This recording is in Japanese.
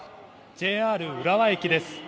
ＪＲ浦和駅です。